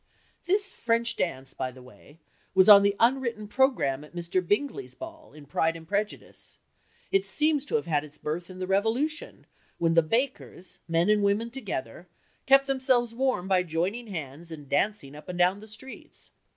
This French dance, by the way, was on the unwritten programme at Mr. Bingley's ball, in Pride and Prejudice. It seems to have had its birth in the Revolution, when the bakers, men and women together, kept themselves warm by joining hands and dancing up and down the streets.